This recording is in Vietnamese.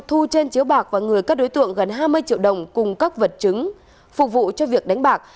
thu trên chiếu bạc và người các đối tượng gần hai mươi triệu đồng cùng các vật chứng phục vụ cho việc đánh bạc